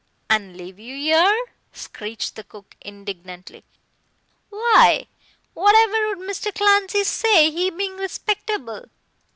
"An' leave you 'ere," screeched the cook indignantly. "Why, whatever would Mr. Clancy say, he being respectable."